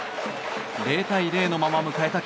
０対０のまま迎えた